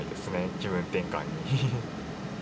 気分転換に。